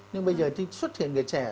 nhưng bây giờ thì xuất hiện người trẻ